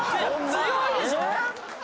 強いでしょ？